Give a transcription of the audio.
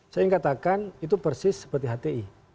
saya ingin katakan itu persis seperti hti